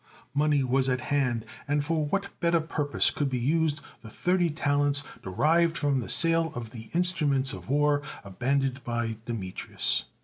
Money was at hand, and for what better purpose could be used the thirty talents derived from the sale of the instruments of war abandoned by Demetrius